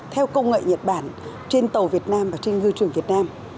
theo công nghệ nhật bản trên tàu việt nam và trên ngư trường việt nam